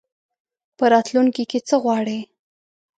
په راتلونکي کي څه غواړې ؟